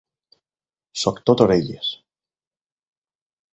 Soc tot orelles.